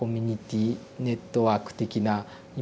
ネットワーク的なイメージがあって。